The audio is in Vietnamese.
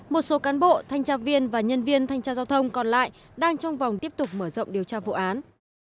một số cán bộ thanh tra viên và nhân viên thanh tra giao thông còn lại đang trong vòng tiếp tục mở rộng điều tra vụ án